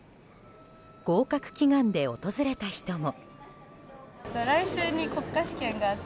合格祈願で訪れた人も。